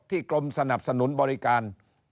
กรมสนับสนุนบริการ